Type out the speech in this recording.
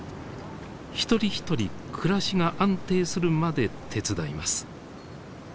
一人一人暮らしが安定するまで手伝います。